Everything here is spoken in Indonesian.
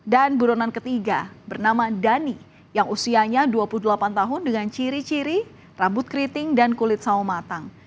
dan burunan ketiga bernama dani yang usianya dua puluh delapan tahun dengan ciri ciri rambut keriting dan kulit sawo matang